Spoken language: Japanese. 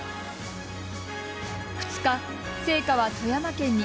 ２日、聖火は富山県に。